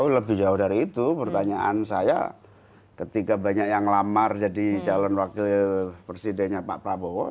lebih jauh dari itu pertanyaan saya ketika banyak yang lamar jadi calon wakil presidennya pak prabowo